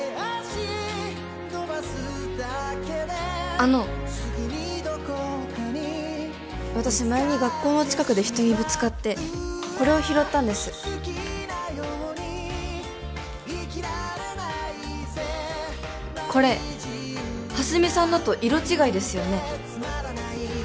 あの私前に学校の近くで人にぶつかってこれを拾ったんですこれ蓮見さんのと色違いですよね？